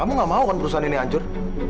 kamu gak mau kan perusahaan ini hancur